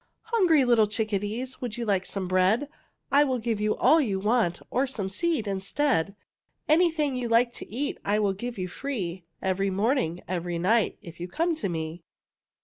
Hungry little chickadees, Would you like some bread? I will give you all you want, Or some seed, instead, Anything you like to eat I will give you free, Every morning, every night, If you come to me.